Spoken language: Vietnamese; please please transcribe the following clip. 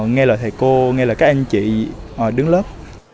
nghe lời thầy cô nghe lời các anh chị đứng lớp